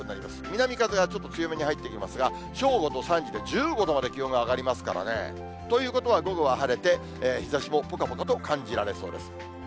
南風がちょっと強めに入ってきますが、正午と３時で１５度まで気温が上がりますからね。ということは、午後は晴れて、日ざしもぽかぽかと感じられそうです。